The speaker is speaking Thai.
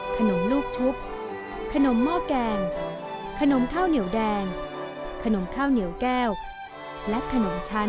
ลูกชุบขนมหม้อแกงขนมข้าวเหนียวแดงขนมข้าวเหนียวแก้วและขนมชั้น